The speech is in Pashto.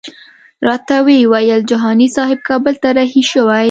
راته ویې ویل جهاني صاحب کابل ته رهي شوی.